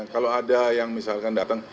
kalau ada yang misalkan datang